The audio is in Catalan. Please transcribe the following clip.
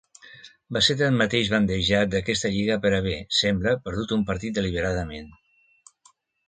Va ser tanmateix bandejat d'aquesta lliga per haver, sembla, perdut un partit deliberadament.